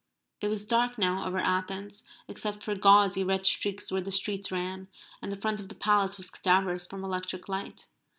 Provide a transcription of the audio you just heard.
It was dark now over Athens, except for gauzy red streaks where the streets ran; and the front of the Palace was cadaverous from electric light.